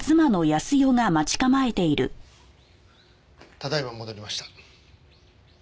ただ今戻りました。